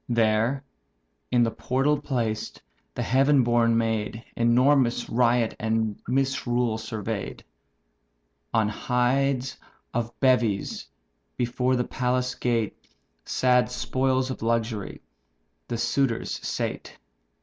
There in the portal placed, the heaven born maid Enormous riot and misrule survey'd. On hides of beeves, before the palace gate (Sad spoils of luxury), the suitors sate.